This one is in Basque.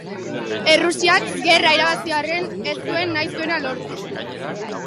Errusiak, gerra irabazi arren, ez zuen nahi zuena lortu.